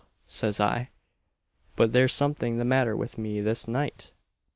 says I, 'but there's something the mather with me this night!'